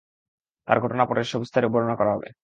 তার ঘটনা পরে সবিস্তারে বর্ণনা করা হবে।